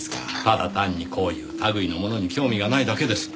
ただ単にこういう類いのものに興味がないだけです。